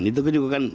itu juga kan